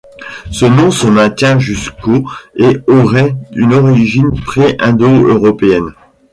Ce nom se maintient jusqu'au et aurait une origine pré-indo-européenne.